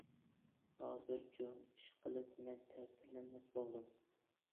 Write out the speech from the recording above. ھازىرچۇ؟ ئىش قىلىپ مەن تەسىرلەنمەس بولدۇم.